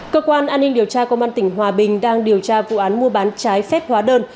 cơ quan an ninh điều tra công an tỉnh hòa bình đang điều tra vụ án mua bán trái phép hóa đơn